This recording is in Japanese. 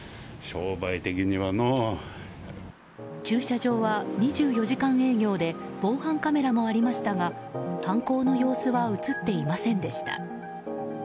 駐車場は２４時間営業で防犯カメラもありましたが犯行の様子は映っていませんでした。